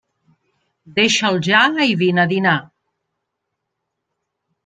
Deixa'l ja i vine a dinar.